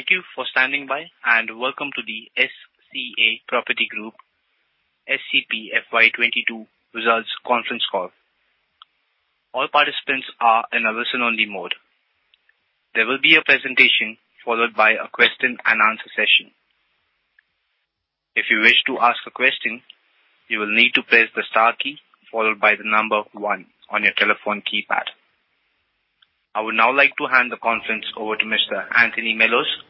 Thank you for standing by, and welcome to the SCA Property Group SCP FY 2022 results conference call. All participants are in a listen-only mode. There will be a presentation followed by a question and answer session. If you wish to ask a question, you will need to press the star key followed by the number 1 on your telephone keypad. I would now like to hand the conference over to Mr. Anthony Mellowes, CEO. Please go ahead, sir.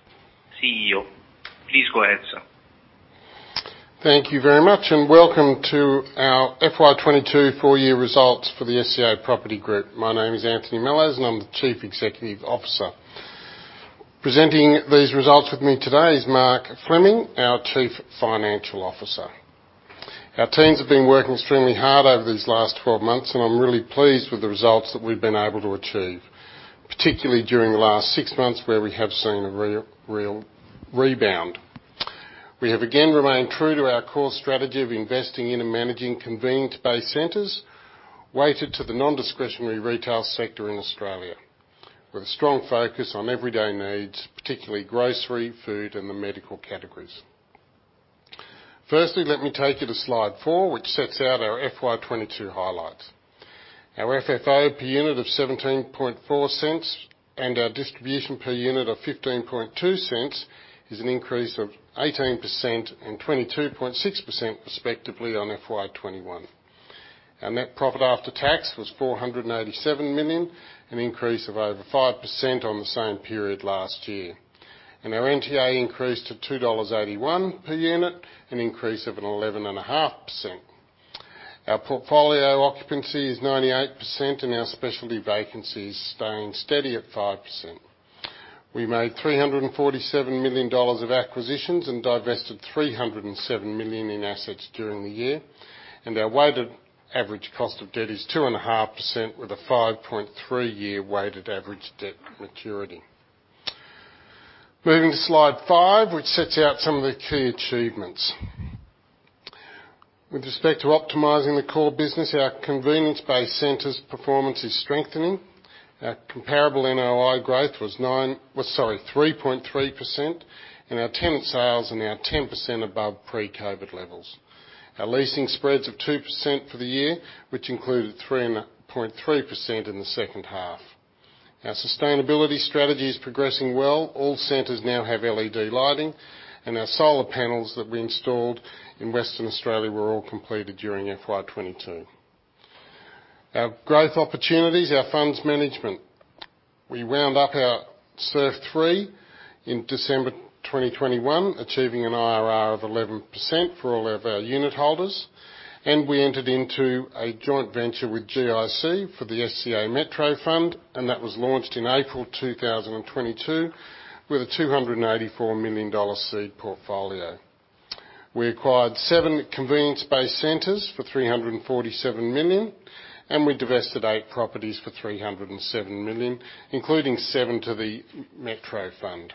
Thank you very much, and welcome to our FY 2022 full year results for the SCA Property Group. My name is Anthony Mellowes, and I'm the Chief Executive Officer. Presenting these results with me today is Mark Fleming, our Chief Financial Officer. Our teams have been working extremely hard over these last 12 months, and I'm really pleased with the results that we've been able to achieve, particularly during the last six months, where we have seen a rebound. We have, again, remained true to our core strategy of investing in and managing convenience-based centers, weighted to the non-discretionary retail sector in Australia, with a strong focus on everyday needs, particularly grocery, food, and the medical categories. Firstly, let me take you to slide 4, which sets out our FY 2022 highlights. Our FFO per unit of 0.174 and our distribution per unit of 0.152 is an increase of 18% and 22.6% respectively on FY 2021. Net profit after tax was 487 million, an increase of over 5% on the same period last year. Our NTA increased to 2.81 dollars per unit, an increase of an 11.5%. Our portfolio occupancy is 98%, and our specialty vacancy is staying steady at 5%. We made 347 million dollars of acquisitions and divested 307 million in assets during the year, and our weighted average cost of debt is 2.5% with a 5.3-year weighted average debt maturity. Moving to slide 5, which sets out some of the key achievements. With respect to optimizing the core business, our convenience-based centers' performance is strengthening. Our comparable NOI growth was 3.3%, and our tenant sales are now 10% above pre-COVID levels. Our leasing spreads of 2% for the year, which included 3.3% in the second half. Our sustainability strategy is progressing well. All centers now have LED lighting, and our solar panels that we installed in Western Australia were all completed during FY 2022. Our growth opportunities, our funds management. We raised our SURF III in December 2021, achieving an IRR of 11% for all of our unit holders, and we entered into a joint venture with GIC for the SCA Metro Fund, and that was launched in April 2022 with a AUD 284 million seed portfolio. We acquired seven convenience-based centers for AUD 347 million, and we divested 8 properties for AUD 307 million, including seven to the Metro Fund.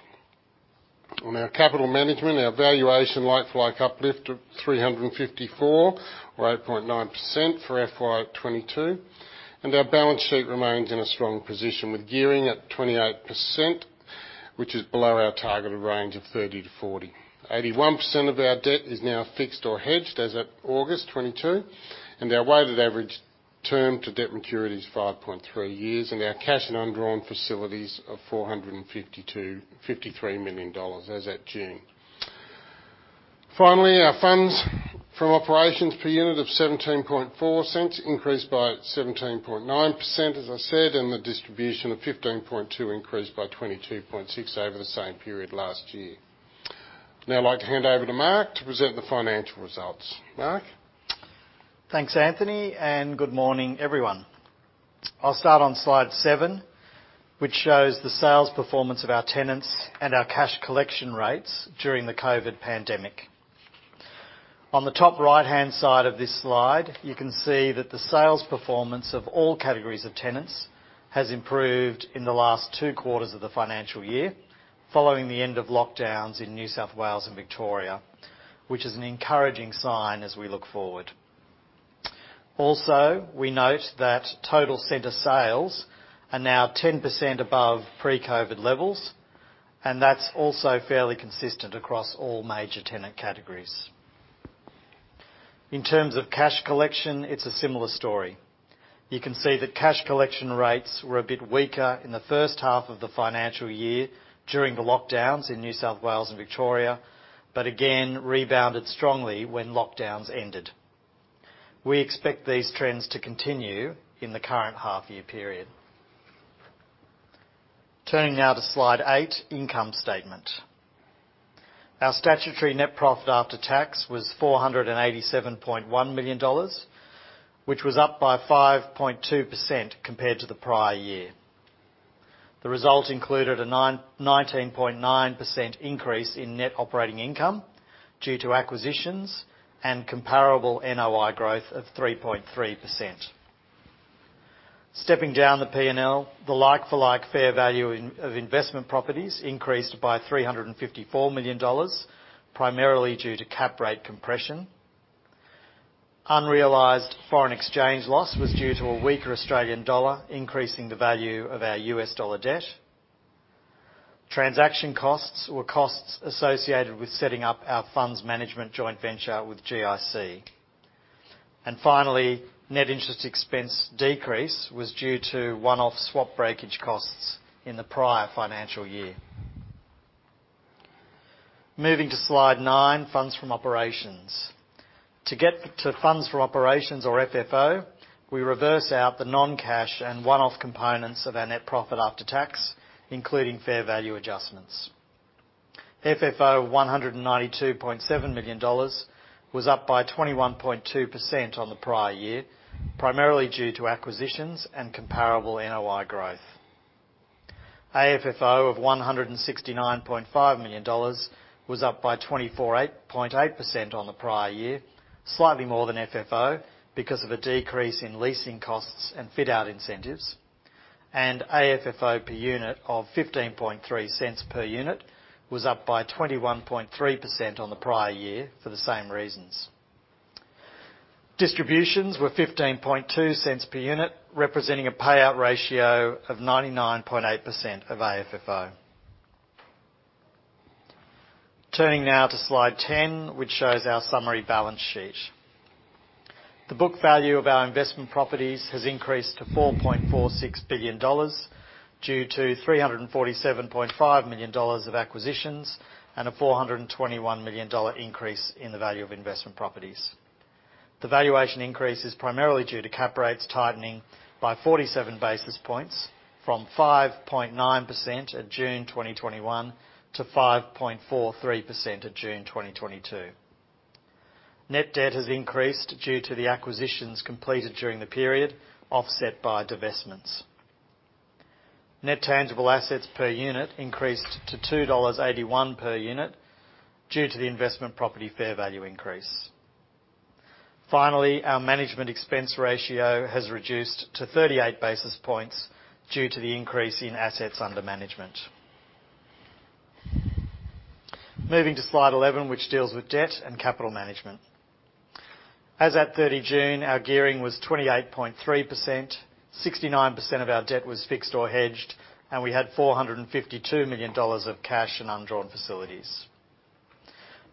On our capital management, our valuation like for like uplift of 354, or 8.9% for FY 2022, and our balance sheet remains in a strong position with gearing at 28%, which is below our targeted range of 30%-40%. 81% of our debt is now fixed or hedged as of August 2022, and our weighted average term to debt maturity is 5.3 years, and our cash and undrawn facilities of 453 million dollars as of June. Finally, our funds from operations per unit of 0.174 increased by 17.9%, as I said, and the distribution of 0.152 increased by 22.6% over the same period last year. Now I'd like to hand over to Mark to present the financial results. Mark? Thanks, Anthony, and good morning, everyone. I'll start on slide 7, which shows the sales performance of our tenants and our cash collection rates during the COVID pandemic. On the top right-hand side of this slide, you can see that the sales performance of all categories of tenants has improved in the last two quarters of the financial year, following the end of lockdowns in New South Wales and Victoria, which is an encouraging sign as we look forward. Also, we note that total center sales are now 10% above pre-COVID levels, and that's also fairly consistent across all major tenant categories. In terms of cash collection, it's a similar story. You can see that cash collection rates were a bit weaker in the first half of the financial year during the lockdowns in New South Wales and Victoria, but again rebounded strongly when lockdowns ended. We expect these trends to continue in the current half year period. Turning now to slide 8, income statement. Our statutory net profit after tax was 487.1 million dollars, which was up by 5.2% compared to the prior year. The result included a 9.9% increase in net operating income due to acquisitions and comparable NOI growth of 3.3%. Stepping down the P&L, the like-for-like fair value of investment properties increased by 354 million dollars, primarily due to cap rate compression. Unrealized foreign exchange loss was due to a weaker Australian dollar increasing the value of our US dollar debt. Transaction costs were costs associated with setting up our funds management joint venture with GIC. Finally, net interest expense decrease was due to one-off swap breakage costs in the prior financial year. Moving to slide 9, Funds from Operations. To get to funds from operations or FFO, we reverse out the non-cash and one-off components of our net profit after tax, including fair value adjustments. FFO 192.7 million dollars was up by 21.2% on the prior year, primarily due to acquisitions and comparable NOI growth. AFFO of 169.5 million dollars was up by 24.8% on the prior year, slightly more than FFO because of a decrease in leasing costs and fit-out incentives. AFFO per unit of 0.153 per unit was up by 21.3% on the prior year for the same reasons. Distributions were 0.152 per unit, representing a payout ratio of 99.8% of AFFO. Turning now to slide 10, which shows our summary balance sheet. The book value of our investment properties has increased to 4.46 billion dollars due to 347.5 million dollars of acquisitions and a 421 million dollar increase in the value of investment properties. The valuation increase is primarily due to cap rates tightening by 47 basis points from 5.9% at June 2021 to 5.43% at June 2022. Net debt has increased due to the acquisitions completed during the period, offset by divestments. Net tangible assets per unit increased to 2.81 dollars per unit due to the investment property fair value increase. Finally, our management expense ratio has reduced to 38 basis points due to the increase in assets under management. Moving to slide 11, which deals with debt and capital management. As at 30 June, our gearing was 28.3%, 69% of our debt was fixed or hedged, and we had 452 million dollars of cash and undrawn facilities.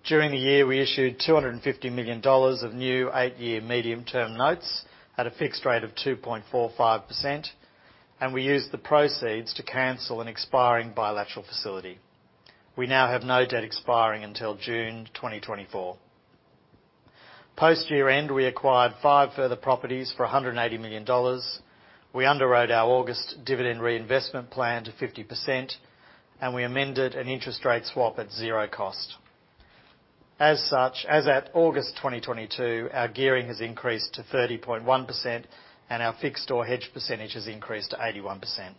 During the year, we issued 250 million dollars of new eight-year medium-term notes at a fixed rate of 2.45%, and we used the proceeds to cancel an expiring bilateral facility. We now have no debt expiring until June 2024. Post-year end, we acquired five further properties for 180 million dollars. We underwrote our August dividend reinvestment plan to 50%, and we amended an interest rate swap at zero cost. As such, as at August 2022, our gearing has increased to 30.1%, and our fixed or hedged percentage has increased to 81%.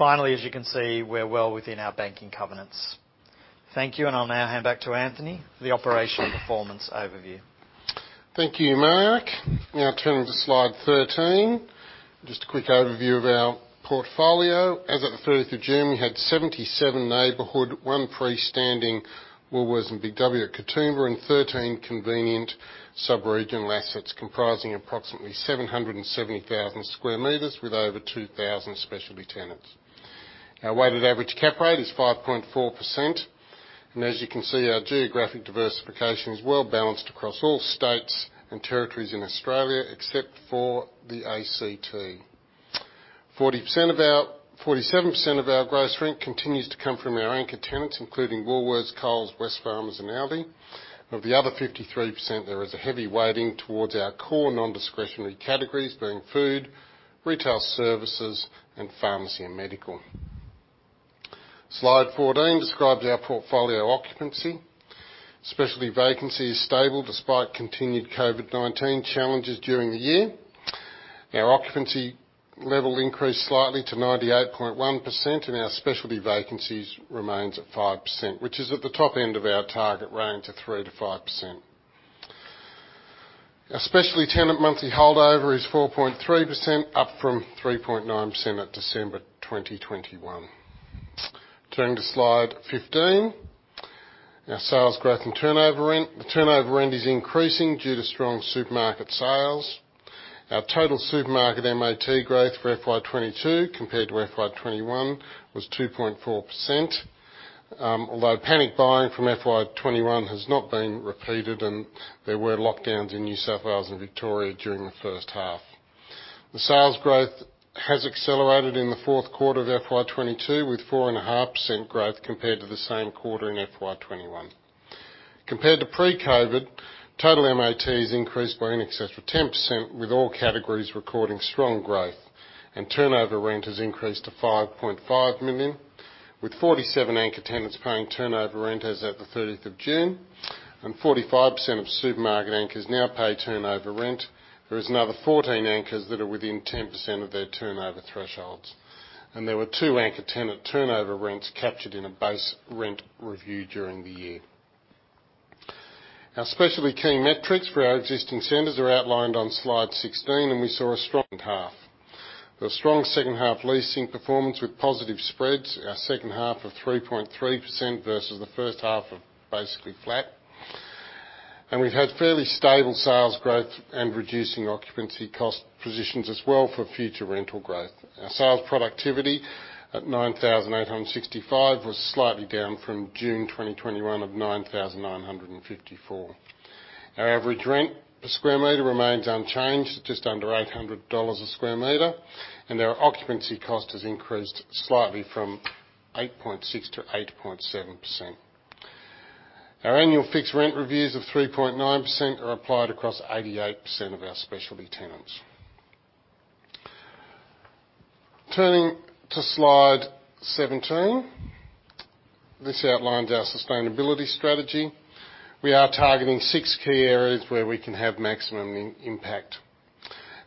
Finally, as you can see, we're well within our banking covenants. Thank you, and I'll now hand back to Anthony for the operational performance overview. Thank you, Mark. Now turning to slide 13. Just a quick overview of our portfolio. As of the third of June, we had 77 neighborhood, 1 freestanding Woolworths and Big W at Katoomba, and 13 convenient subregional assets comprising approximately 770,000 square meters with over 2,000 specialty tenants. Our weighted average cap rate is 5.4%, and as you can see, our geographic diversification is well-balanced across all states and territories in Australia except for the ACT. Forty-seven percent of our gross rent continues to come from our anchor tenants, including Woolworths, Coles, Wesfarmers and Aldi. Of the other 53%, there is a heavy weighting towards our core nondiscretionary categories, being food, retail services, and pharmacy and medical. Slide 14 describes our portfolio occupancy. Specialty vacancy is stable despite continued COVID-19 challenges during the year. Our occupancy level increased slightly to 98.1%, and our specialty vacancies remains at 5%, which is at the top end of our target range of 3%-5%. Our specialty tenant monthly holdover is 4.3%, up from 3.9% at December 2021. Turning to slide 15. Our sales growth and turnover rent. The turnover rent is increasing due to strong supermarket sales. Our total supermarket MAT growth for FY 2022 compared to FY 2021 was 2.4%, although panic buying from FY 2021 has not been repeated, and there were lockdowns in New South Wales and Victoria during the first half. The sales growth has accelerated in the fourth quarter of FY 2022, with 4.5% growth compared to the same quarter in FY 2021. Compared to pre-COVID, total MAT has increased by in excess of 10%, with all categories recording strong growth, and turnover rent has increased to 5.5 million, with 47 anchor tenants paying turnover rent as at the 30th of June, and 45% of supermarket anchors now pay turnover rent. There is another 14 anchors that are within 10% of their turnover thresholds, and there were 2 anchor tenant turnover rents captured in a base rent review during the year. Our specialty key metrics for our existing centers are outlined on slide 16, and we saw a strong half. The strong second half leasing performance with positive spreads. Our second half of 3.3% versus the first half of basically flat. We've had fairly stable sales growth and reducing occupancy cost positions as well for future rental growth. Our sales productivity at 9,865 was slightly down from June 2021 of 9,954. Our average rent per sq m remains unchanged at just under 800 dollars a sq m, and our occupancy cost has increased slightly from 8.6% to 8.7%. Our annual fixed rent reviews of 3.9% are applied across 88% of our specialty tenants. Turning to slide 17, this outlines our sustainability strategy. We are targeting 6 key areas where we can have maximum impact.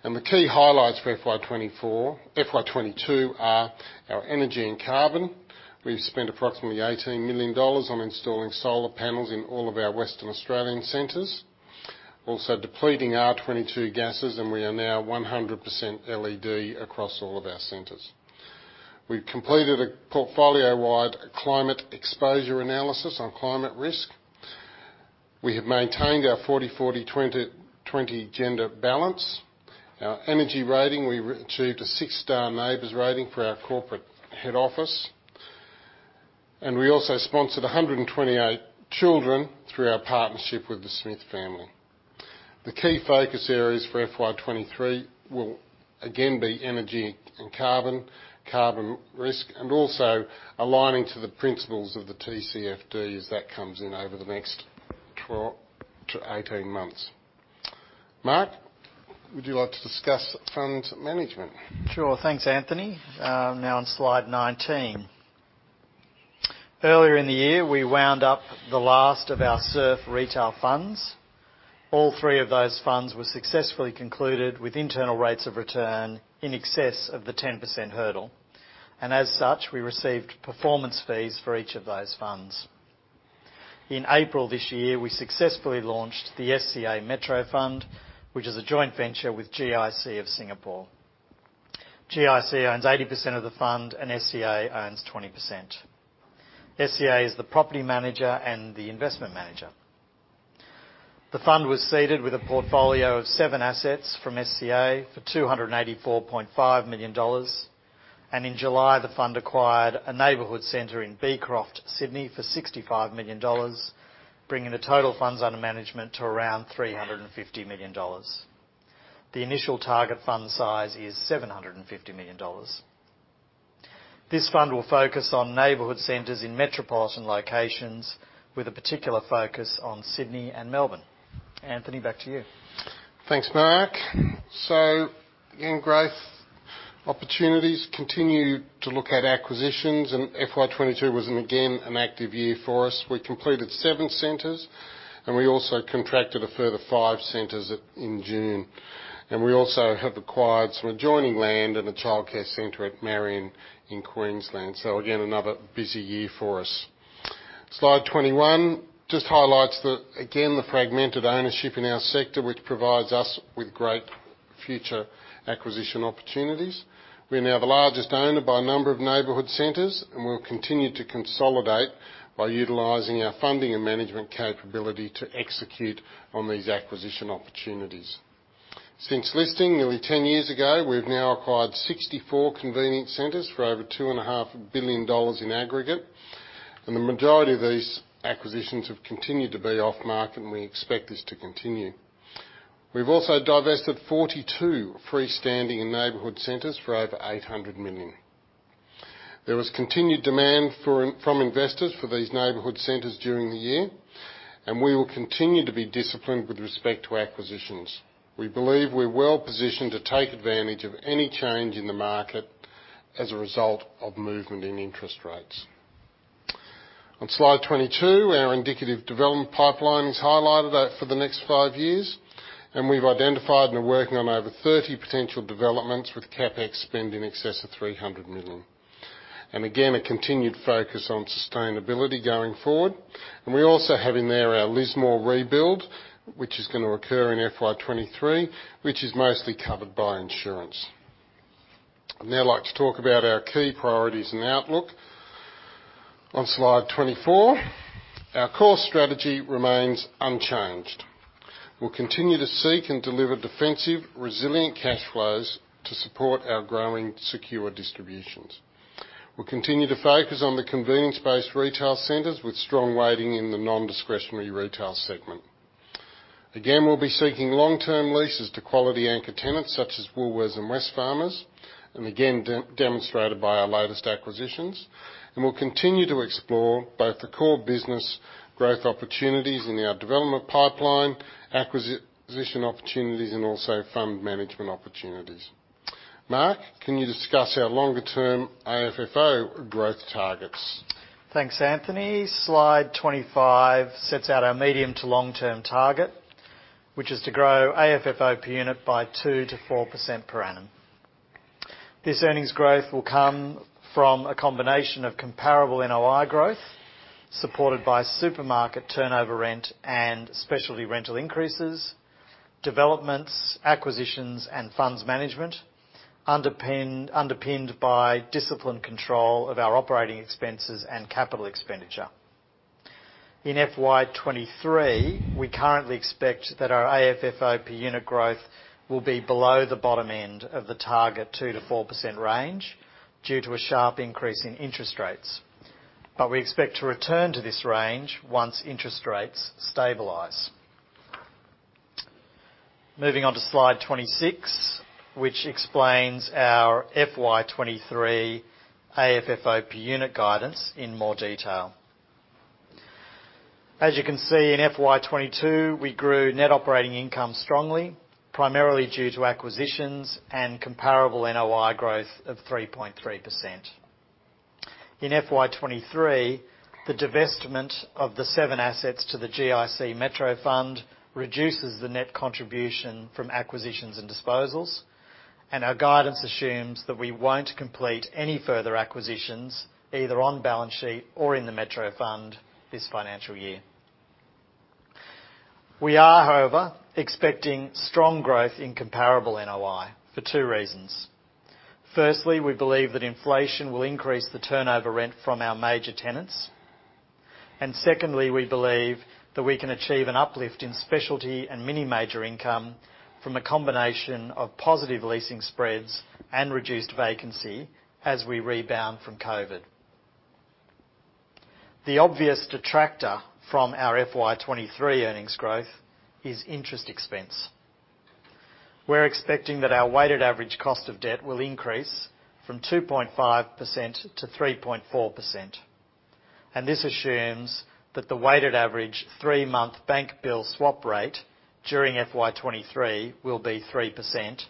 The key highlights for FY 2022 are our energy and carbon. We've spent approximately 18 million dollars on installing solar panels in all of our Western Australian centers, also depleting our 22 gases, and we are now 100% LED across all of our centers. We've completed a portfolio-wide climate exposure analysis on climate risk. We have maintained our 40-40-20-20 gender balance. Our energy rating, we achieved a six-star NABERS rating for our corporate head office. We also sponsored 128 children through our partnership with The Smith Family. The key focus areas for FY 2023 will again be energy and carbon risk, and also aligning to the principles of the TCFD as that comes in over the next 12-18 months. Mark, would you like to discuss funds management? Sure. Thanks, Anthony. Now on slide 19. Earlier in the year, we wound up the last of our SURF retail funds. All three of those funds were successfully concluded with internal rates of return in excess of the 10% hurdle. As such, we received performance fees for each of those funds. In April this year, we successfully launched the SCA Metro Fund, which is a joint venture with GIC of Singapore. GIC owns 80% of the fund and SCA owns 20%. SCA is the property manager and the investment manager. The fund was seeded with a portfolio of seven assets from SCA for 284.5 million dollars. In July, the fund acquired a neighborhood center in Beecroft, Sydney for 65 million dollars, bringing the total funds under management to around 350 million dollars. The initial target fund size is 750 million dollars. This fund will focus on neighborhood centers in metropolitan locations with a particular focus on Sydney and Melbourne. Anthony, back to you. Thanks, Mark. Again, growth opportunities continue to look at acquisitions, and FY 2022 was, again, an active year for us. We completed seven centers, and we also contracted a further five centers in June. We also have acquired some adjoining land and a childcare center at Marion in Queensland. Again, another busy year for us. Slide 21 just highlights the fragmented ownership in our sector, which provides us with great future acquisition opportunities. We are now the largest owner by number of neighborhood centers, and we'll continue to consolidate by utilizing our funding and management capability to execute on these acquisition opportunities. Since listing nearly 10 years ago, we've now acquired 64 convenience centers for over 2.5 billion dollars in aggregate, and the majority of these acquisitions have continued to be off-market, and we expect this to continue. We've also divested 42 freestanding and neighborhood centers for over 800 million. There was continued demand from investors for these neighborhood centers during the year, and we will continue to be disciplined with respect to acquisitions. We believe we're well-positioned to take advantage of any change in the market as a result of movement in interest rates. On slide 22, our indicative development pipeline is highlighted out for the next five years, and we've identified and are working on over 30 potential developments with CapEx spend in excess of 300 million. Again, a continued focus on sustainability going forward. We also have in there our Lismore rebuild, which is gonna occur in FY2023, which is mostly covered by insurance. I'd now like to talk about our key priorities and outlook. On slide 24, our core strategy remains unchanged. We'll continue to seek and deliver defensive, resilient cash flows to support our growing secure distributions. We'll continue to focus on the convenience-based retail centers with strong weighting in the non-discretionary retail segment. Again, we'll be seeking long-term leases to quality anchor tenants such as Woolworths and Wesfarmers, and again, demonstrated by our latest acquisitions. We'll continue to explore both the core business growth opportunities in our development pipeline, acquisition opportunities, and also fund management opportunities. Mark, can you discuss our longer term AFFO growth targets? Thanks, Anthony. Slide 25 sets out our medium to long-term target, which is to grow AFFO per unit by 2%-4% per annum. This earnings growth will come from a combination of comparable NOI growth supported by supermarket turnover rent and specialty rental increases, developments, acquisitions, and funds management, underpinned by disciplined control of our operating expenses and capital expenditure. In FY 2023, we currently expect that our AFFO per unit growth will be below the bottom end of the target 2%-4% range due to a sharp increase in interest rates. We expect to return to this range once interest rates stabilize. Moving on to slide 26, which explains our FY 2023 AFFO per unit guidance in more detail. As you can see, in FY 2022, we grew net operating income strongly, primarily due to acquisitions and comparable NOI growth of 3.3%. In FY 23, the divestment of the seven assets to the SCA Metro Fund reduces the net contribution from acquisitions and disposals, and our guidance assumes that we won't complete any further acquisitions, either on balance sheet or in the Metro Fund this financial year. We are, however, expecting strong growth in comparable NOI for two reasons. Firstly, we believe that inflation will increase the turnover rent from our major tenants. Secondly, we believe that we can achieve an uplift in specialty and mini major income from a combination of positive leasing spreads and reduced vacancy as we rebound from COVID. The obvious detractor from our FY 23 earnings growth is interest expense. We're expecting that our weighted average cost of debt will increase from 2.5% to 3.4%, and this assumes that the weighted average 3-month bank bill swap rate during FY 2023 will be 3%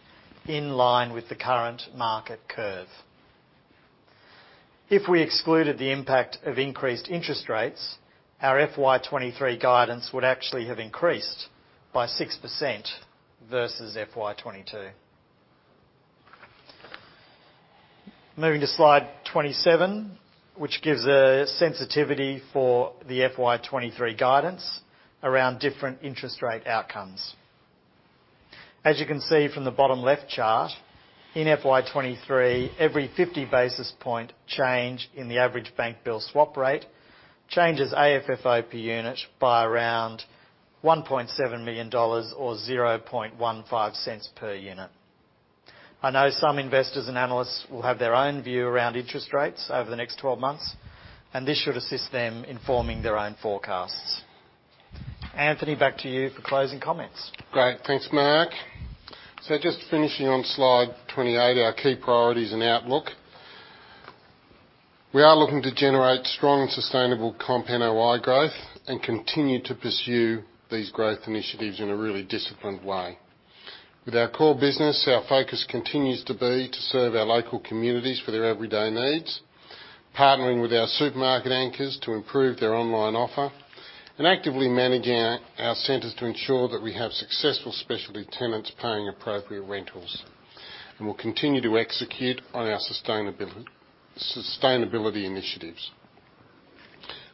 in line with the current market curve. If we excluded the impact of increased interest rates, our FY 2023 guidance would actually have increased by 6% versus FY 2022. Moving to slide 27, which gives a sensitivity for the FY 2023 guidance around different interest rate outcomes. As you can see from the bottom left chart, in FY 2023, every 50 basis points change in the average bank bill swap rate changes AFFO per unit by around 1.7 million dollars or 0.0015 per unit. I know some investors and analysts will have their own view around interest rates over the next 12 months, and this should assist them in forming their own forecasts. Anthony, back to you for closing comments. Great. Thanks, Mark. Just finishing on slide 28, our key priorities and outlook. We are looking to generate strong and sustainable comp NOI growth and continue to pursue these growth initiatives in a really disciplined way. With our core business, our focus continues to be to serve our local communities for their everyday needs, partnering with our supermarket anchors to improve their online offer, and actively managing our centers to ensure that we have successful specialty tenants paying appropriate rentals. We'll continue to execute on our sustainability initiatives.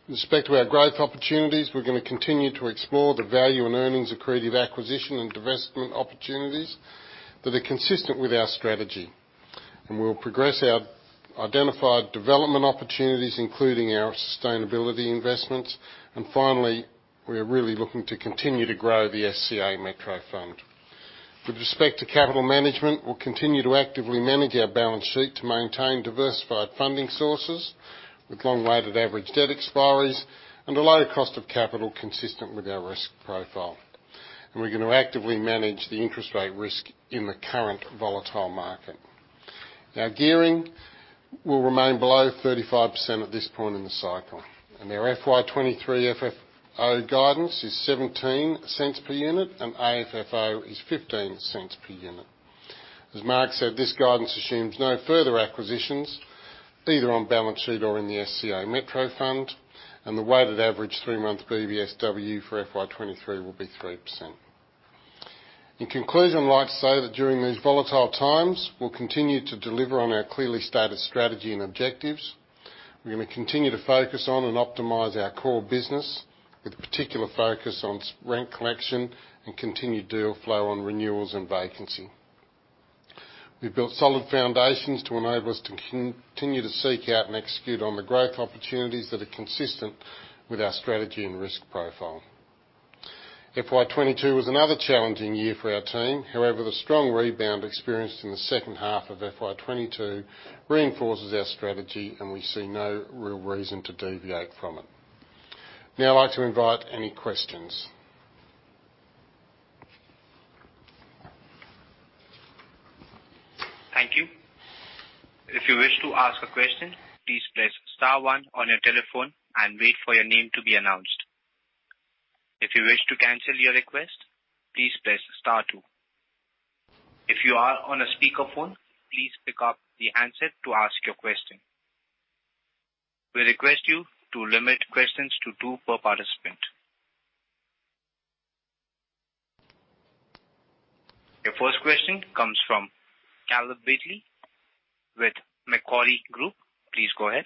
With respect to our growth opportunities, we're gonna continue to explore the value and earnings accretive acquisition and divestment opportunities that are consistent with our strategy. We'll progress our identified development opportunities, including our sustainability investments. Finally, we are really looking to continue to grow the SCA Metro Fund. With respect to capital management, we'll continue to actively manage our balance sheet to maintain diversified funding sources with long weighted average debt expiries and a lower cost of capital consistent with our risk profile. We're gonna actively manage the interest rate risk in the current volatile market. Our gearing will remain below 35% at this point in the cycle, and our FY 2023 FFO guidance is 0.17 per unit, and AFFO is 0.15 per unit. As Mark said, this guidance assumes no further acquisitions, either on balance sheet or in the SCA Metro Fund, and the weighted average 3-month BBSW for FY 2023 will be 3%. In conclusion, I'd like to say that during these volatile times, we'll continue to deliver on our clearly stated strategy and objectives. We're gonna continue to focus on and optimize our core business with particular focus on rent collection and continued deal flow on renewals and vacancy. We've built solid foundations to enable us to continue to seek out and execute on the growth opportunities that are consistent with our strategy and risk profile. FY 2022 was another challenging year for our team. However, the strong rebound experienced in the second half of FY 2022 reinforces our strategy, and we see no real reason to deviate from it. Now I'd like to invite any questions. Thank you. If you wish to ask a question, please press star one on your telephone and wait for your name to be announced. If you wish to cancel your request, please press star two. If you are on a speakerphone, please pick up the handset to ask your question. We request you to limit questions to two per participant. First question comes from Callum Bramah with Macquarie Group. Please go ahead.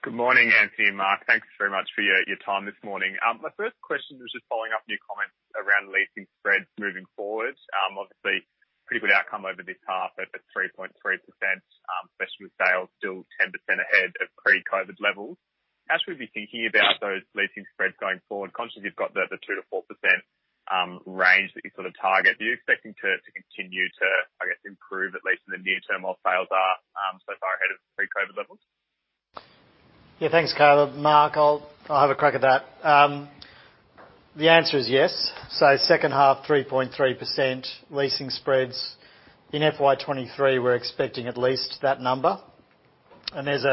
Good morning, Anthony and Mark. Thanks very much for your time this morning. My first question was just following up on your comments around leasing spreads moving forward. Obviously pretty good outcome over this half at the 3.3%, especially with sales still 10% ahead of pre-COVID levels. How should we be thinking about those leasing spreads going forward? Conscious you've got the 2%-4% range that you sort of target. Are you expecting to continue to, I guess, improve at least in the near term, while sales are so far ahead of pre-COVID levels? Yeah, thanks, Callum. Mark, I'll have a crack at that. The answer is yes. Second half, 3.3% leasing spreads. In FY 2023, we're expecting at least that number. The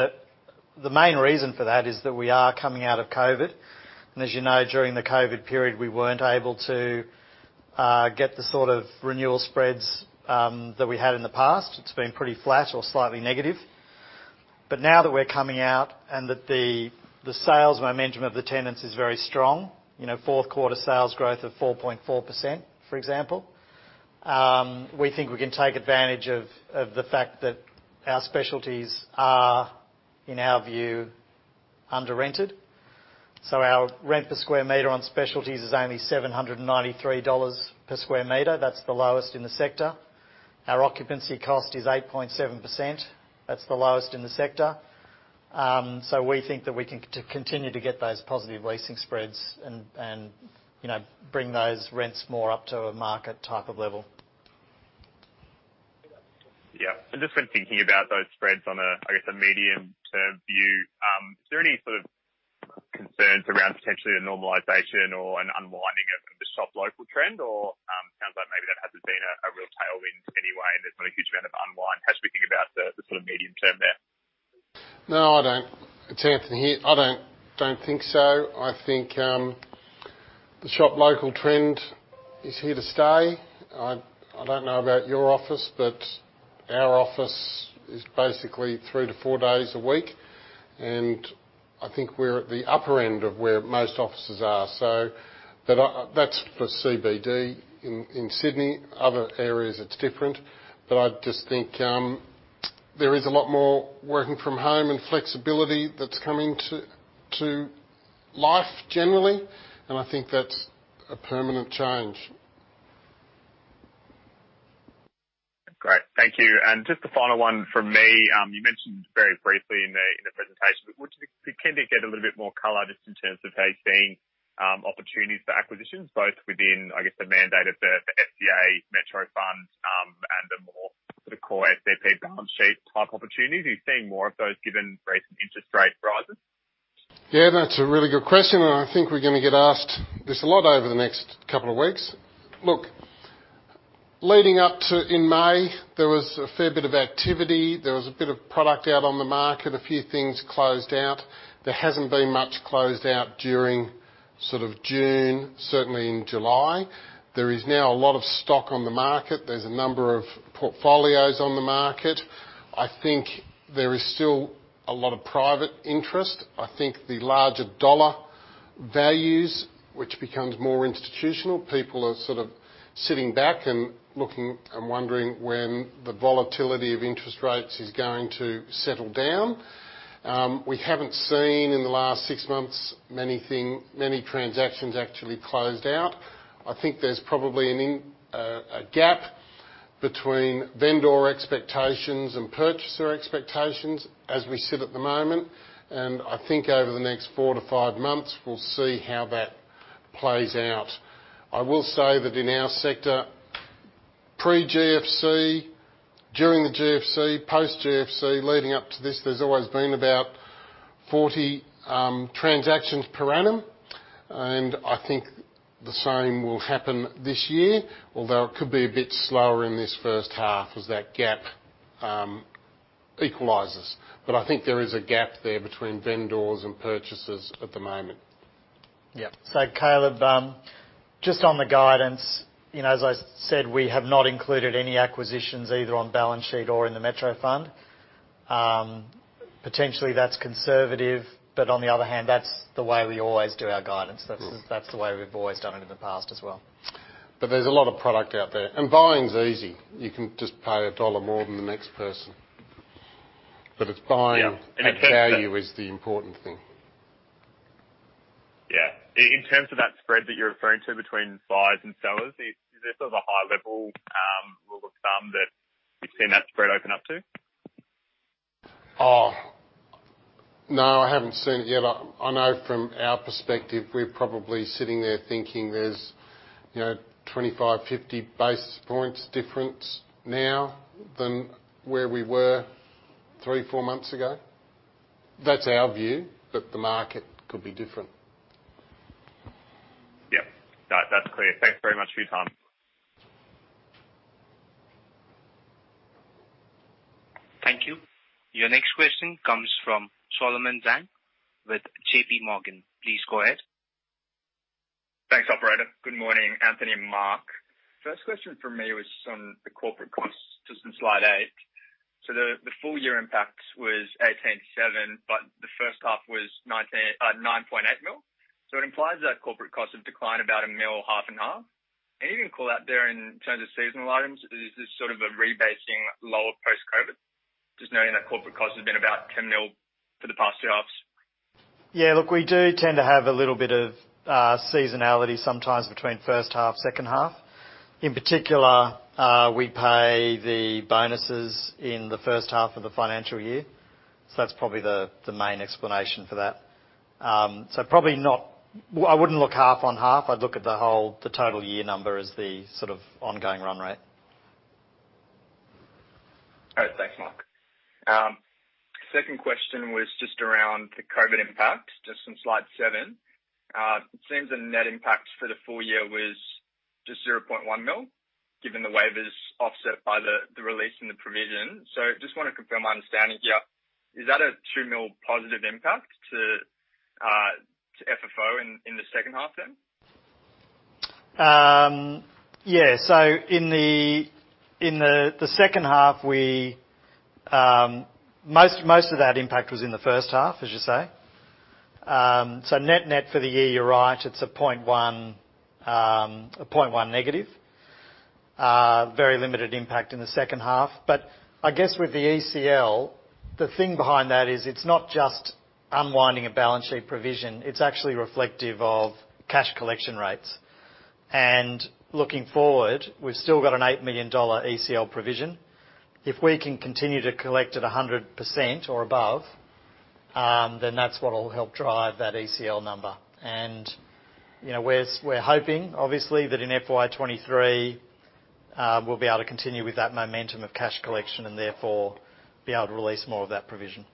main reason for that is that we are coming out of COVID, and as you know, during the COVID period, we weren't able to get the sort of renewal spreads that we had in the past. It's been pretty flat or slightly negative. Now that we're coming out and that the sales momentum of the tenants is very strong, you know, fourth quarter sales growth of 4.4%, for example, we think we can take advantage of the fact that our specialties are, in our view, under-rented. Our rent per square meter on specialties is only 793 dollars per square meter. That's the lowest in the sector. Our occupancy cost is 8.7%. That's the lowest in the sector. We think that we can continue to get those positive leasing spreads and, you know, bring those rents more up to a market type of level. Yeah. Just when thinking about those spreads on a, I guess, a medium term view, is there any sort of concerns around potentially a normalization or an unwinding of the shop local trend or, sounds like maybe that hasn't been a real tailwind anyway, and there's not a huge amount of unwind. How should we think about the sort of medium term there? No, I don't. It's Anthony here. I don't think so. I think the shop local trend is here to stay. I don't know about your office, but our office is basically 3-4 days a week, and I think we're at the upper end of where most offices are. That's for CBD in Sydney. Other areas, it's different. I just think there is a lot more working from home and flexibility that's coming to life generally, and I think that's a permanent change. Great. Thank you. Just a final one from me. You mentioned very briefly in the presentation, but would you be keen to get a little bit more color just in terms of how you're seeing opportunities for acquisitions, both within, I guess, the mandate of the SCA Metro Funds, and the more sort of core SCP balance sheet type opportunities. Are you seeing more of those given recent interest rate rises? Yeah, that's a really good question, and I think we're gonna get asked this a lot over the next couple of weeks. Look, leading up to in May, there was a fair bit of activity. There was a bit of product out on the market. A few things closed out. There hasn't been much closed out during sort of June, certainly in July. There is now a lot of stock on the market. There's a number of portfolios on the market. I think there is still a lot of private interest. I think the larger dollar values, which becomes more institutional, people are sort of sitting back and looking and wondering when the volatility of interest rates is going to settle down. We haven't seen in the last six months many transactions actually closed out. I think there's probably a gap between vendor expectations and purchaser expectations as we sit at the moment, and I think over the next 4-5 months, we'll see how that plays out. I will say that in our sector, pre-GFC, during the GFC, post-GFC, leading up to this, there's always been about 40 transactions per annum, and I think the same will happen this year, although it could be a bit slower in this first half as that gap equalizes. I think there is a gap there between vendors and purchasers at the moment. Yeah. Caleb, just on the guidance, you know, as I said, we have not included any acquisitions either on balance sheet or in the Metro Fund. Potentially that's conservative, but on the other hand, that's the way we always do our guidance. Mm. That's the way we've always done it in the past as well. There's a lot of product out there. Buying is easy. You can just pay a dollar more than the next person. It's buying. Yeah. In terms of. Net asset value is the important thing. Yeah. In terms of that spread that you're referring to between buyers and sellers, is there sort of a high level rule of thumb that you've seen that spread open up to? Oh, no, I haven't seen it yet. I know from our perspective, we're probably sitting there thinking there's, you know, 25, 50 basis points difference now than where we were 3, 4 months ago. That's our view, but the market could be different. Yeah. That's clear. Thanks very much for your time. Thank you. Your next question comes from Solomon Zhang with JPMorgan. Please go ahead. Thanks, operator. Good morning, Anthony and Mark. First question from me was on the corporate costs, just on slide eight. The full year impact was 18.7 mil, but the first half was 9.8 mil. It implies that corporate costs have declined about 1 mil half and half. Anything to call out there in terms of seasonal items? Is this sort of a rebasing lower post-COVID? Just noting that corporate costs have been about 10 mil for the past two halves. Yeah. Look, we do tend to have a little bit of seasonality sometimes between first half, second half. In particular, we pay the bonuses in the first half of the financial year. That's probably the main explanation for that. I wouldn't look half on half. I'd look at the whole, the total year number as the sort of ongoing run rate. All right. Thanks, Mark. Second question was just around the COVID impact, just from slide seven. It seems the net impact for the full year was just 0.1 million, given the waivers offset by the release in the provision. Just wanna confirm my understanding here. Is that a 2 million positive impact to FFO in the second half then? Yeah. In the second half, most of that impact was in the first half, as you say. Net for the year, you're right, it's -0.1%. Very limited impact in the second half. I guess with the ECL, the thing behind that is it's not just unwinding a balance sheet provision, it's actually reflective of cash collection rates. Looking forward, we've still got an 8 million dollar ECL provision. If we can continue to collect at 100% or above, then that's what'll help drive that ECL number. You know, we're hoping obviously that in FY 2023, we'll be able to continue with that momentum of cash collection and therefore be able to release more of that provision.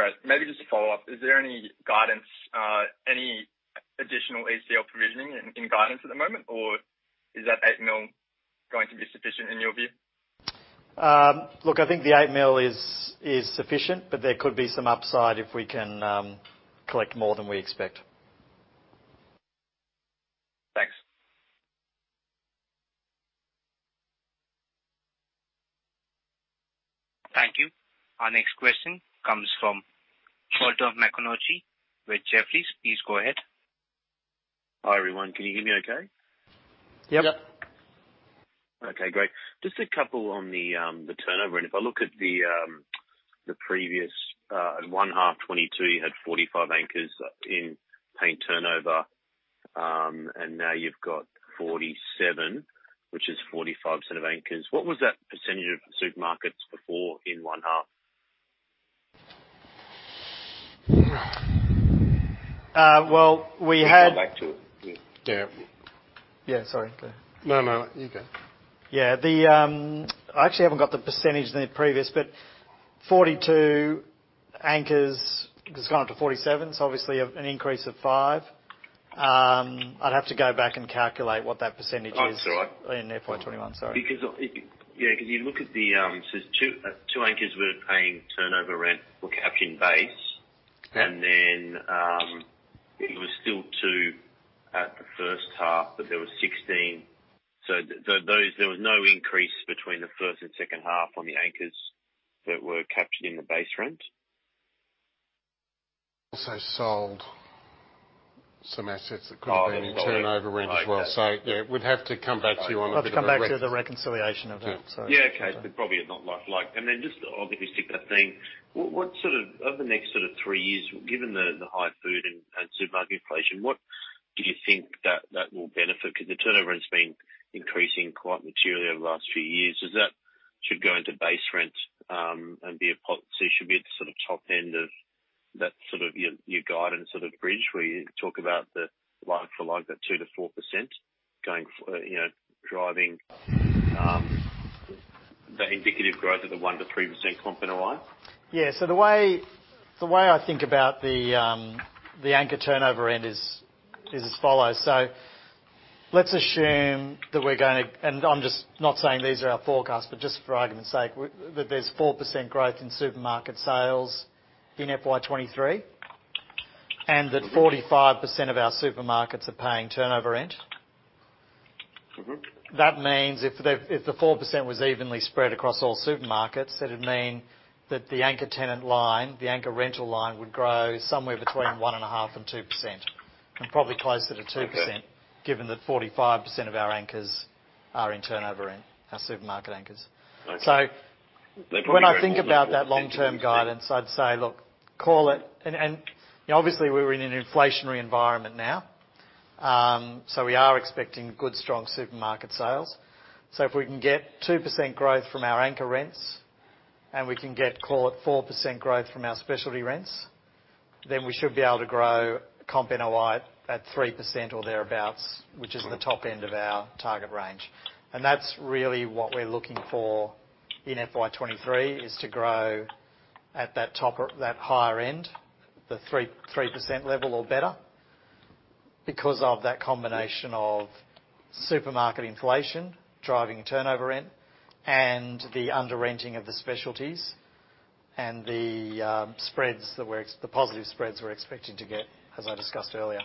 All right. Maybe just to follow up, is there any guidance, any additional ECL provisioning in guidance at the moment, or is that 8 million going to be sufficient in your view? Look, I think the 8 million is sufficient, but there could be some upside if we can collect more than we expect. Thanks. Thank you. Our next question comes from Sholto Maconochie with Jefferies. Please go ahead. Hi, everyone. Can you hear me okay? Yep. Yep. Okay, great. Just a couple on the turnover. If I look at the previous 1H 2022, you had 45 anchors in paying turnover, and now you've got 47, which is 45% of anchors. What was that percentage of supermarkets before in 1H? Well, we had Let me go back to it. Yeah. Yeah. Sorry. No, no. You go. Yeah. I actually haven't got the percentage in the previous, but 42 anchors has gone up to 47, so obviously an increase of 5. I'd have to go back and calculate what that percentage is. Oh, that's all right. in FY21. Sorry. 'Cause you look at the two anchors were paying turnover rent were captured in base. Yeah. It was still 2 at the first half, but there was 16. There was no increase between the first and second half on the anchors that were captured in the base rent. Also sold some assets that could have been in turnover rent as well. Oh, okay. Yeah, we'd have to come back to you on a bit of a rec- Have to come back to the reconciliation of that. Yeah. Sorry. Yeah. Okay. They probably are not like. Just obviously stick to that thing. What sort of over the next sort of three years, given the high food and supermarket inflation, what do you think that will benefit? 'Cause the turnover has been increasing quite materially over the last few years. Is that should go into base rent, and be a so it should be at the sort of top end of that sort of your guidance sort of bridge where you talk about the like for like that 2%-4% going you know, driving the indicative growth of the 1%-3% comp NOI? Yeah. The way I think about the anchor turnover end is as follows. Let's assume that. I'm just not saying these are our forecasts, but just for argument's sake, that there's 4% growth in supermarket sales in FY 2023, and that 45% of our supermarkets are paying turnover rent. Mm-hmm. That means if the four percent was evenly spread across all supermarkets, that would mean that the anchor tenant line, the anchor rental line, would grow somewhere between 1.5% and 2%, and probably closer to 2%. Okay. Given that 45% of our anchors are in turnover rent, our supermarket anchors. Okay. When I think about that long-term guidance, I'd say, look, call it, and you know, obviously we're in an inflationary environment now, so we are expecting good, strong supermarket sales. If we can get 2% growth from our anchor rents and we can get, call it, 4% growth from our specialty rents, then we should be able to grow comp NOI at 3% or thereabouts, which is the top end of our target range. That's really what we're looking for in FY 2023, is to grow at that top or that higher end, the 3% level or better because of that combination of supermarket inflation driving turnover rent and the under-renting of the specialties and the positive spreads we're expecting to get, as I discussed earlier.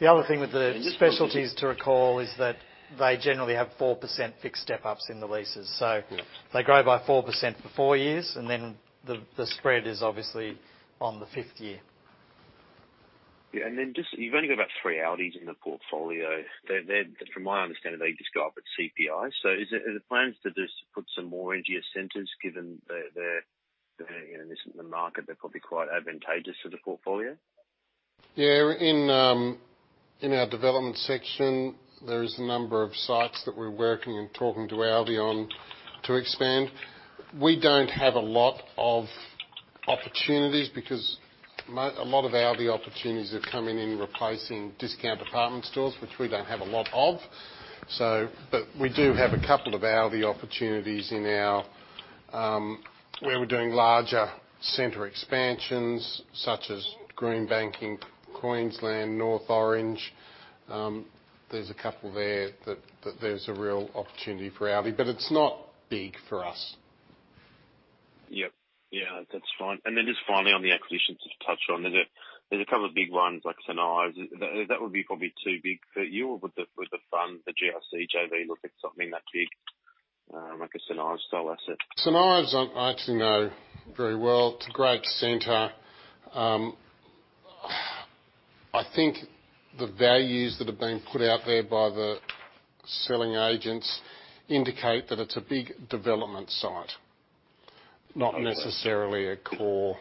The other thing with the specialties to recall is that they generally have 4% fixed step-ups in the leases. Yes. They grow by 4% for 4 years, and then the spread is obviously on the fifth year. Yeah. You've only got about three Aldi in the portfolio. They're. From my understanding, they just go up with CPI. Are there plans to just put some more into your centers, given the, you know, this is the market that could be quite advantageous to the portfolio? Yeah. In our development section, there is a number of sites that we're working and talking to Aldi on to expand. We don't have a lot of opportunities because a lot of Aldi opportunities are coming in replacing discount department stores, which we don't have a lot of. We do have a couple of Aldi opportunities in our where we're doing larger center expansions, such as Greenbank in Queensland, North Orange. There's a couple there that there's a real opportunity for Aldi, but it's not big for us. Yep. Yeah, that's fine. Then just finally on the acquisitions you've touched on. There's a couple of big ones like Scentre's. That would be probably too big for you or would the fund, the GIC JV look at something that big, like a Scentre's-style asset? Scentre's, I actually know very well. It's a great center. I think the values that have been put out there by the selling agents indicate that it's a big development site. Okay. Not necessarily a core,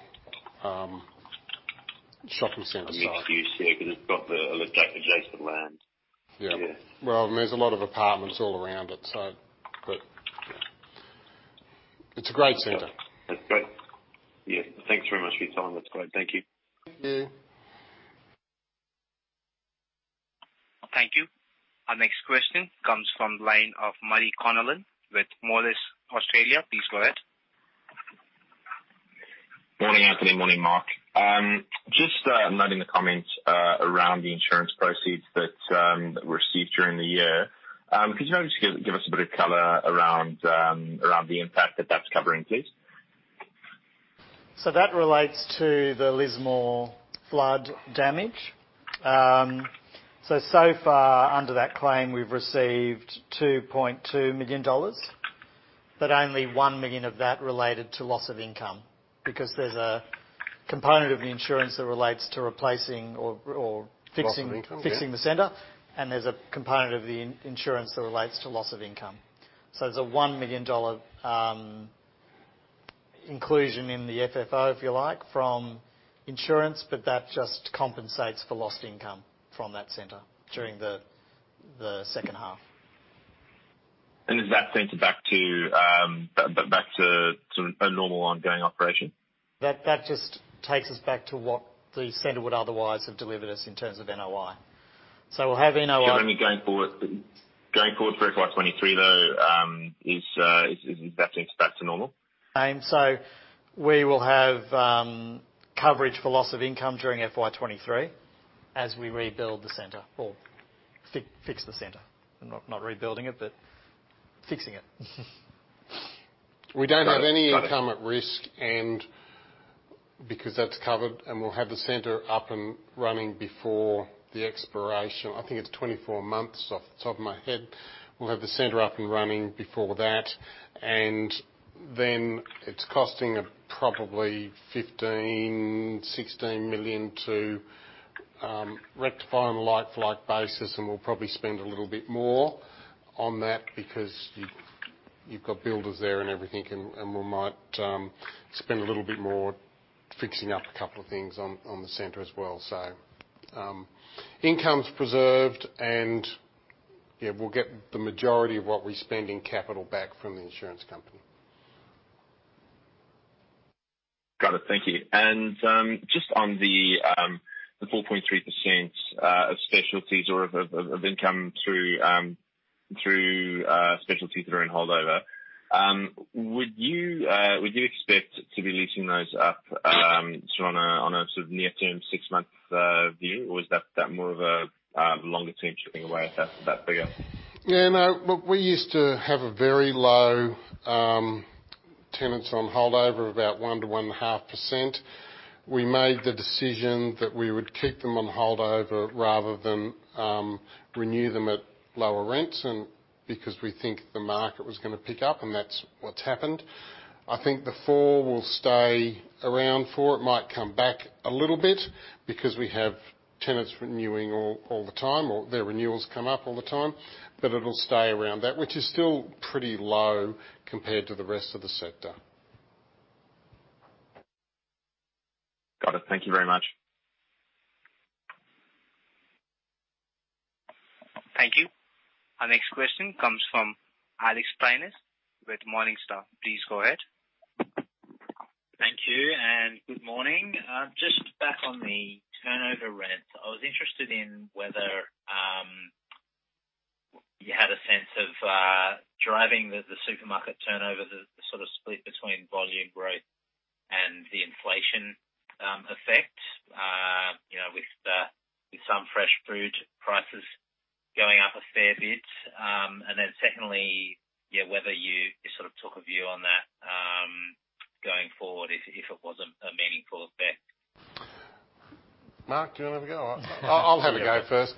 shopping center site. Mixed use, yeah, because it's got adjacent land. Yeah. Yeah. Well, I mean, there's a lot of apartments all around it. Yeah. It's a great center. That's great. Yeah. Thanks very much for your time. That's great. Thank you. Yeah. Thank you. Our next question comes from the line of Marie Connolly with Moelis Australia. Please go ahead. Morning, Anthony. Morning, Mark. Just noting the comments around the insurance proceeds that were received during the year. Could you just give us a bit of color around the impact that that's covering, please? That relates to the Lismore flood damage. So far under that claim, we've received 2.2 million dollars, but only 1 million of that related to loss of income because there's a component of the insurance that relates to replacing or fixing. Loss of income. Yeah. Fixing the center, and there's a component of the insurance that relates to loss of income. There's a 1 million dollar inclusion in the FFO, if you like, from insurance, but that just compensates for lost income from that center during the second half. Is that center back to sort of a normal ongoing operation? That just takes us back to what the center would otherwise have delivered us in terms of NOI. We'll have NOI. I mean, going forward for FY 23, though, is that center back to normal? We will have coverage for loss of income during FY 2023 as we rebuild the center or fix the center. Not rebuilding it, but fixing it. We don't have any income at risk and because that's covered, and we'll have the center up and running before the expiration. I think it's 24 months off the top of my head. We'll have the center up and running before that. Then it's costing probably 15 million-16 million to rectify on a like-for-like basis, and we'll probably spend a little bit more on that because you've got builders there and everything, and we might spend a little bit more fixing up a couple of things on the center as well. Income's preserved and, yeah, we'll get the majority of what we spend in capital back from the insurance company. Got it. Thank you. Just on the 4.3% of specialties or of income through specialties that are in holdover, would you expect to be leasing those up sort of on a sort of near-term six-month view? Or is that more of a longer-term chipping away if that's that figure? Yeah, no. Look, we used to have a very low tenants on holdover, about 1%-1.5%. We made the decision that we would keep them on holdover rather than renew them at lower rents and because we think the market was gonna pick up, and that's what's happened. I think the 4% will stay around. It might come back a little bit because we have tenants renewing all the time, or their renewals come up all the time. It'll stay around that, which is still pretty low compared to the rest of the sector. Got it. Thank you very much. Thank you. Our next question comes from Alex Parnas with Morningstar. Please go ahead. Thank you, and good morning. Just back on the turnover rents, I was interested in whether you had a sense of driving the supermarket turnover, the sort of split between volume growth and the inflation effect, you know, with some fresh food prices going up a fair bit. Secondly, yeah, whether you sort of took a view on that. Forward if it wasn't a meaningful effect. Mark, do you wanna have a go? I'll have a go first.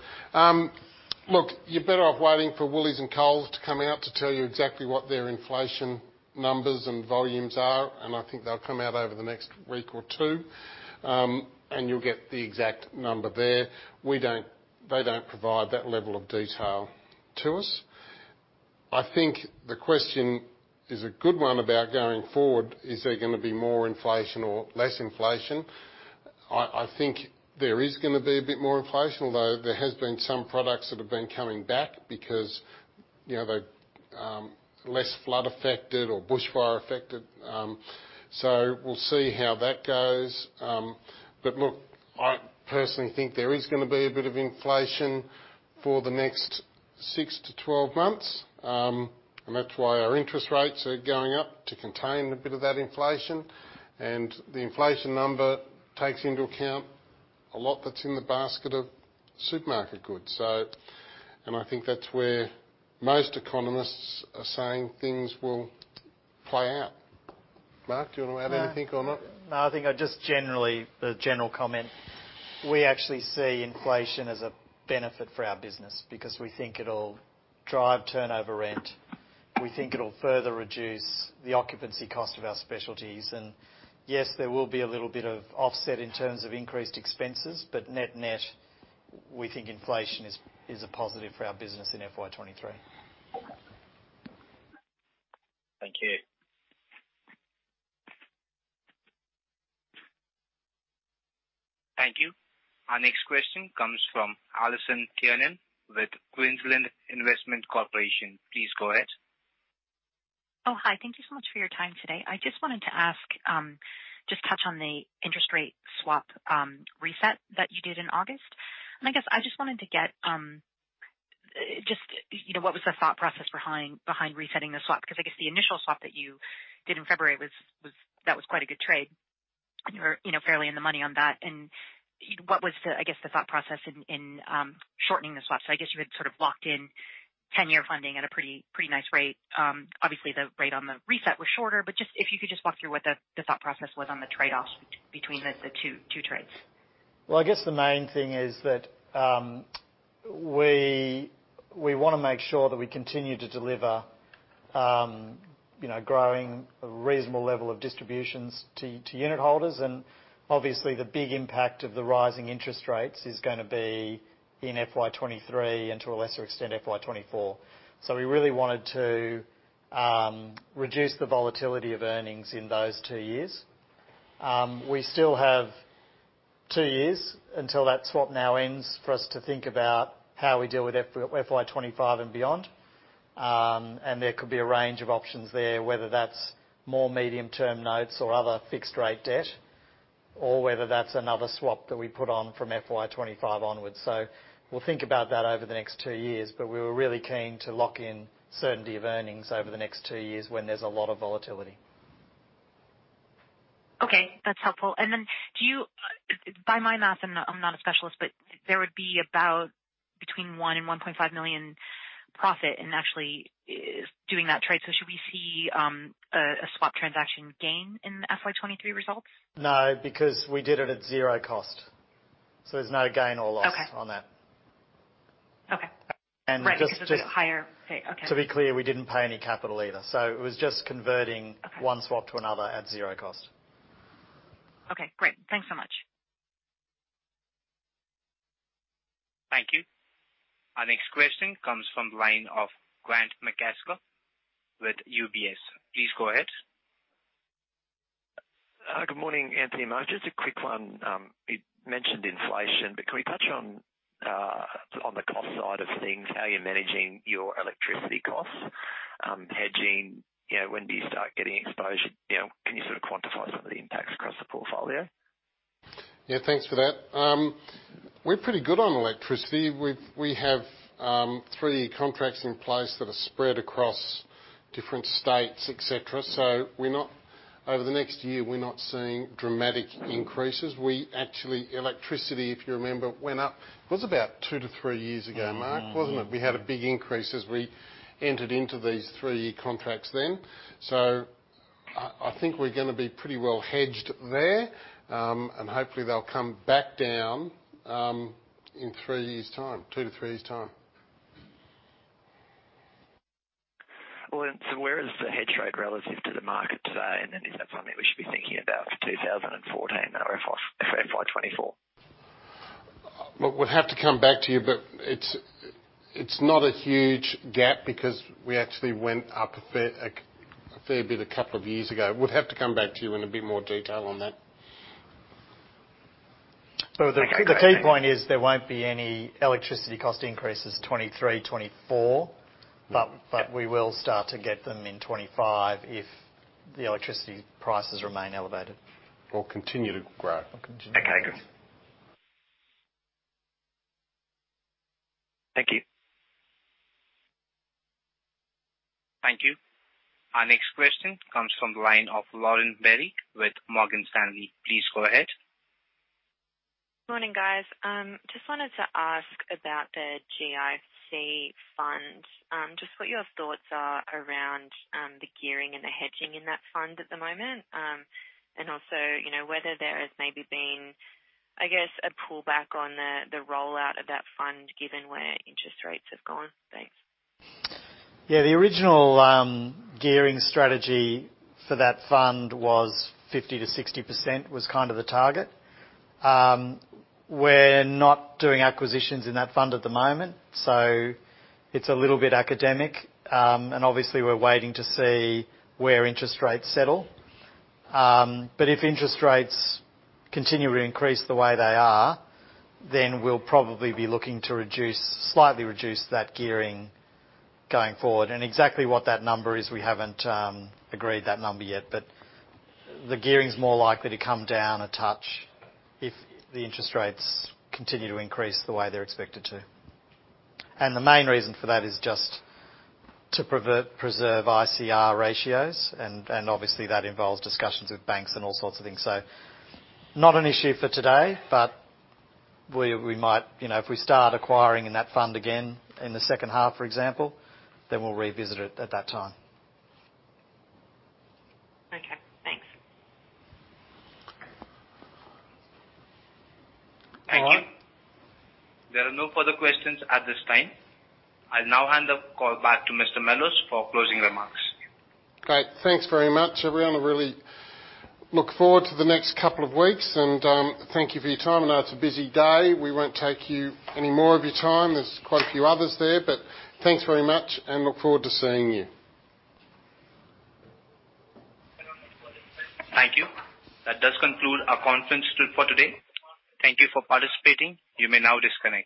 Look, you're better off waiting for Woolies and Coles to come out to tell you exactly what their inflation numbers and volumes are, and I think they'll come out over the next week or two, and you'll get the exact number there. They don't provide that level of detail to us. I think the question is a good one about going forward, is there gonna be more inflation or less inflation? I think there is gonna be a bit more inflation, although there has been some products that have been coming back because, you know, they're less flood affected or bushfire affected, so we'll see how that goes. Look, I personally think there is gonna be a bit of inflation for the next six to 12 months, and that's why our interest rates are going up to contain a bit of that inflation. The inflation number takes into account a lot that's in the basket of supermarket goods. I think that's where most economists are saying things will play out. Mark, do you wanna add anything or not? No, I think I just generally, a general comment. We actually see inflation as a benefit for our business because we think it'll drive turnover rent. We think it'll further reduce the occupancy cost of our specialties. Yes, there will be a little bit of offset in terms of increased expenses, but net-net, we think inflation is a positive for our business in FY23. Thank you. Thank you. Our next question comes from Allison Tiernan with Queensland Investment Corporation. Please go ahead. Oh, hi. Thank you so much for your time today. I just wanted to ask, just touch on the interest rate swap reset that you did in August. I guess I just wanted to get, you know, what was the thought process behind resetting the swap? Because I guess the initial swap that you did in February was. That was quite a good trade, and you were, you know, fairly in the money on that. What was the, I guess, thought process in shortening the swap? I guess you had sort of locked in ten-year funding at a pretty nice rate. Obviously, the rate on the reset was shorter, but just, if you could just walk through what the thought process was on the trade-offs between the two trades. Well, I guess the main thing is that we wanna make sure that we continue to deliver you know growing a reasonable level of distributions to unit holders. Obviously the big impact of the rising interest rates is gonna be in FY 2023 and to a lesser extent FY 2024. We really wanted to reduce the volatility of earnings in those two years. We still have two years until that swap now ends for us to think about how we deal with FY 2025 and beyond. There could be a range of options there whether that's more medium-term notes or other fixed rate debt or whether that's another swap that we put on from FY 2025 onwards. We'll think about that over the next two years, but we were really keen to lock in certainty of earnings over the next two years when there's a lot of volatility. Okay, that's helpful. Then do you by my math, I'm not a specialist, but there would be about between 1 million and 1.5 million profit in actually doing that trade. Should we see a swap transaction gain in the FY 2023 results? No, because we did it at zero cost, so there's no gain or loss. Okay. on that. Okay. And just- Right. Okay. To be clear, we didn't pay any capital either, so it was just converting. Okay. from one swap to another at zero cost. Okay, great. Thanks so much. Thank you. Our next question comes from the line of Grant McCasker with UBS. Please go ahead. Good morning, Anthony and Mark. Just a quick one. You mentioned inflation, but can we touch on the cost side of things, how you're managing your electricity costs, hedging? You know, when do you start getting exposure? You know, can you sort of quantify some of the impacts across the portfolio? Yeah, thanks for that. We're pretty good on electricity. We have three contracts in place that are spread across different states, et cetera. Over the next year, we're not seeing dramatic increases. Electricity, if you remember, went up. It was about two to three years ago, Mark. Mm-hmm. Wasn't it? We had a big increase as we entered into these three contracts then. I think we're gonna be pretty well hedged there. Hopefully they'll come back down in three years' time, two to three years' time. Where is the hedge rate relative to the market today? Is that something we should be thinking about for 2014 or FY 2024? We'll have to come back to you, but it's not a huge gap because we actually went up a fair bit a couple of years ago. We'll have to come back to you in a bit more detail on that. The key point is there won't be any electricity cost increases 2023, 2024. Okay. We will start to get them in 25 if the electricity prices remain elevated. Continue to grow. Continue to grow. Okay, good. Thank you. Thank you. Our next question comes from the line of Lauren Berry with Morgan Stanley. Please go ahead. Morning, guys. Just wanted to ask about the GIC fund, just what your thoughts are around the gearing and the hedging in that fund at the moment. Also, you know, whether there has maybe been, I guess, a pullback on the rollout of that fund given where interest rates have gone. Thanks. Yeah, the original gearing strategy for that fund was 50%-60%, was kind of the target. We're not doing acquisitions in that fund at the moment, so it's a little bit academic. Obviously we're waiting to see where interest rates settle. If interest rates continue to increase the way they are, then we'll probably be looking to slightly reduce that gearing going forward. Exactly what that number is, we haven't agreed that number yet, but the gearing's more likely to come down a touch if the interest rates continue to increase the way they're expected to. The main reason for that is just to preserve ICR ratios and obviously that involves discussions with banks and all sorts of things. Not an issue for today, but we might, you know, if we start acquiring in that fund again in the second half, for example, then we'll revisit it at that time. Okay, thanks. All right. Thank you. There are no further questions at this time. I'll now hand the call back to Mr. Mellowes for closing remarks. Great. Thanks very much, everyone. I really look forward to the next couple of weeks and, thank you for your time. I know it's a busy day. We won't take you any more of your time. There's quite a few others there, but thanks very much and look forward to seeing you. Thank you. That does conclude our conference call for today. Thank you for participating. You may now disconnect.